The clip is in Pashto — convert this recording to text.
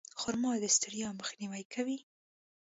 خرما د ستړیا مخنیوی کوي.